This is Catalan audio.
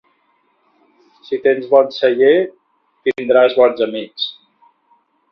Si tens bon celler, tindràs bons amics.